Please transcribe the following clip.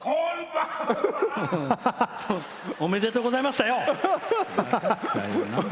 おめでとうございますだよ！